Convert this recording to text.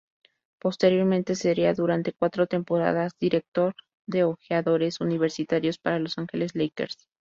Posteriormente, sería durante cuatro temporadas director de ojeadores universitarios para Los Angeles Lakers.